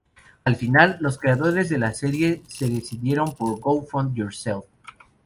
Al final, los creadores de la serie se decidieron por "Go Fund Yourself.